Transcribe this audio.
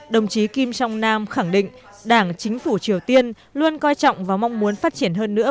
đồng chí kim trong nam khẳng định đảng chính phủ triều tiên luôn coi trọng và mong muốn phát triển hơn nữa